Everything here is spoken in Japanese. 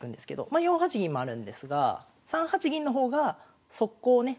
まあ４八銀もあるんですが３八銀の方が速攻をね